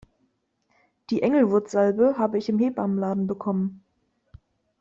Die Engelwurzsalbe habe ich im Hebammenladen bekommen.